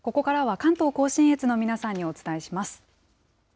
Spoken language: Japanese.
関東甲信越の皆さんにお伝えします。